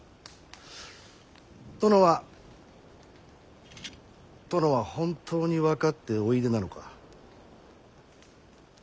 殿は殿は本当に分かっておいでなのか。